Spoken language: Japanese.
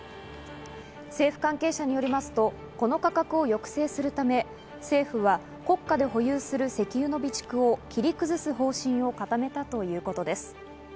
政府関係者によりますと、この価格を抑制するため、政府は国家で保有する石油の備蓄を切り崩す方針を固めたということです。